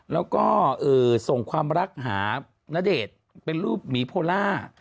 แล้วก็ส่งความรักหาณเดชน์เป็นรูปหมีโพล่า